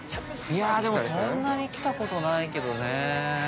◆いや、でも、そんなに来たことないけどね。